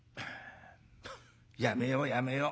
やめようやめよう。